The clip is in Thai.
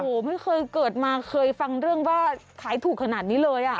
โอ้โหไม่เคยเกิดมาเคยฟังเรื่องว่าขายถูกขนาดนี้เลยอ่ะ